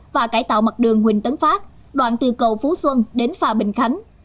và cải tạo mặt đường huỳnh tấn phát đoạn từ cầu phú xuân đến phà bình khánh